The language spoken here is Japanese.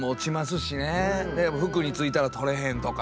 服についたら取れへんとか。